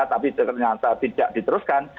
tapi ternyata tidak diteruskan